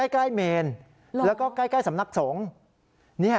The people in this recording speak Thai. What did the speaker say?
เมนแล้วก็ใกล้สำนักสงฆ์